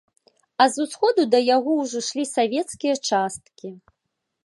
А з усходу да яго ўжо ішлі савецкія часткі.